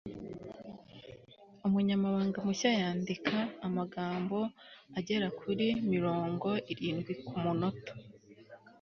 umunyamabanga mushya yandika amagambo agera kuri mirongo irindwi kumunota